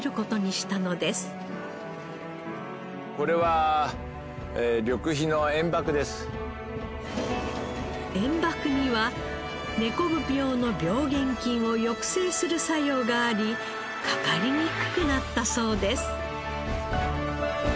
これは燕麦には根こぶ病の病原菌を抑制する作用がありかかりにくくなったそうです。